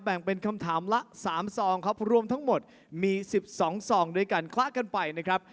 เป็นคำถามละ๓ซองครับรวมทั้งหมดมี๑๒ซองด้วยกันคว้ากันไปนะครับ